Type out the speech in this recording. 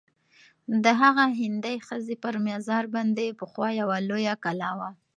د هغه هندۍ ښځي پر مزار باندي پخوا یوه لویه کلا وه.